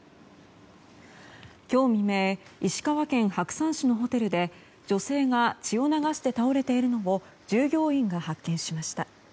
今日未明石川県白山市のホテルで女性が血を流して倒れているのを従業員が発見しました。